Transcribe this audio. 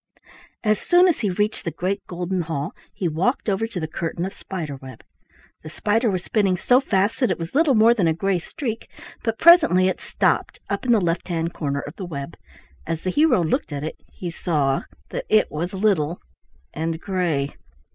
As soon as he reached the great golden hall he walked over to the curtain of spider web. The spider was spinning so fast that it was little more than a gray streak, but presently it stopped up in the left hand corner of the web. As the hero looked at it he saw that it was little and gray.